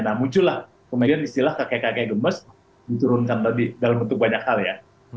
nah muncul lah kemudian istilah kakek kakek gemes dicurunkan tadi dalam bentuk banyak hal ya